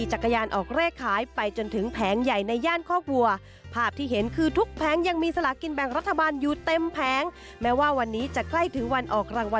จากคุณอันชรีศรีมั่วครับ